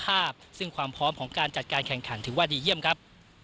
ภาพซึ่งความพร้อมของการจัดการแข่งขันถือว่าดีเยี่ยมครับ